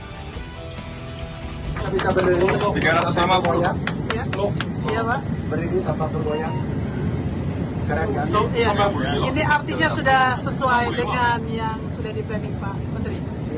hai sabar sabar sama punya ya iya pak berhenti tanpa turunnya keren gas ini artinya sudah sesuai